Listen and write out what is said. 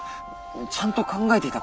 ちゃんと考えていたことだ。